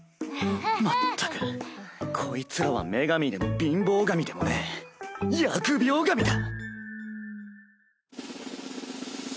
まったくこいつらは女神でも貧乏神でもねぇ疫病神だ！